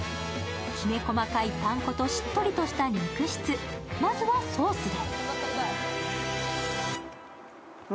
きめ細かいパン粉としっとりとした肉質、まずはソースで。